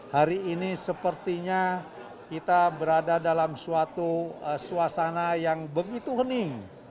hari ini sepertinya kita berada dalam suatu suasana yang begitu hening